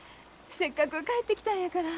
せっかく帰ってきたんやから。